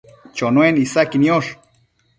Chonuen isaqui niosh